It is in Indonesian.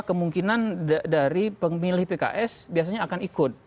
kemungkinan dari pemilih pks biasanya akan ikut